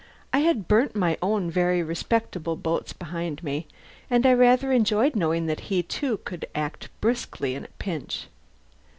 I had burnt my own very respectable boats behind me, and I rather enjoyed knowing that he, too, could act briskly in a pinch.